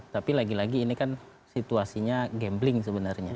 tapi lagi lagi ini kan situasinya gambling sebenarnya